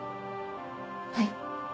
はい。